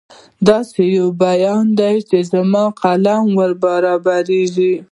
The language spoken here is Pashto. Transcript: دا داسې یو بیان دی چې زما قلم نه وربرابرېږي.